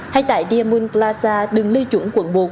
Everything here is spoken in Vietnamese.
hay tại diamond plaza đường lê chuẩn quận một